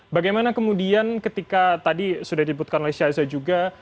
bagaimana kemudian ketika tadi sudah dibutuhkan oleh syahidzah juga